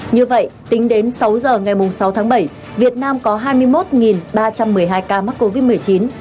như vậy tính đến sáu giờ ngày sáu tháng bảy việt nam có hai mươi một ba trăm một mươi hai ca mắc covid một mươi chín